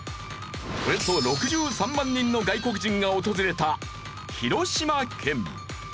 およそ６３万人の外国人が訪れた広島県。